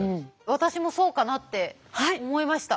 私もそうかなって思いました。